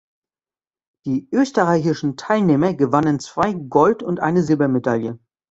Die österreichischen Teilnehmer gewannen zwei Gold- und eine Silbermedaille.